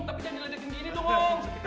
tapi jangan di ledekin gini dong om